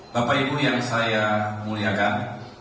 bapak ibu yang saya muliakan